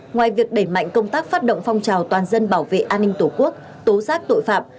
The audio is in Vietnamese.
ngoài việc đẩy mạnh công tác phát động phong trào toàn dân bảo vệ an ninh tổ quốc tố giác tội phạm